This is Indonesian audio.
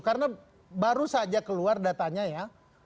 karena baru saja keluar datanya ya